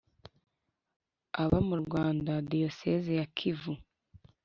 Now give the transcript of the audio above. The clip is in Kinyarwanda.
Aba mu Rwanda Diyoseze ya Kivu